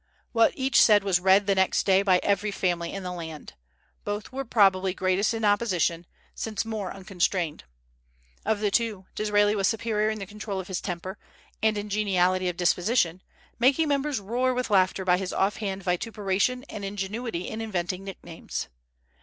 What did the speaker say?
What each said was read the next day by every family in the land. Both were probably greatest in opposition, since more unconstrained. Of the two, Disraeli was superior in the control of his temper and in geniality of disposition, making members roar with laughter by his off hand vituperation and ingenuity in inventing nicknames.